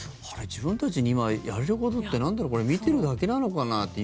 自分たちに今やれることってなんだろうこれ見ているだけなのかなって。